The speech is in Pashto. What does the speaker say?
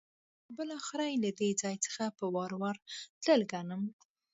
بالاخره یې له دې ځای څخه په وار وار تللی ګڼم.